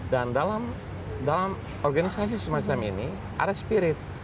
dan dalam organisasi semacam ini ada spirit